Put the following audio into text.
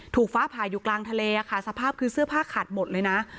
ฟ้าผ่าอยู่กลางทะเลค่ะสภาพคือเสื้อผ้าขาดหมดเลยนะ